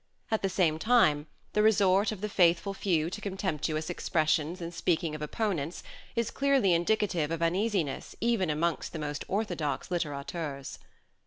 At the same time the resort of the faithful few to contemptuous expressions in speaking of opponents is clearly indicative of uneasiness even amongst the most orthodox litterateurs.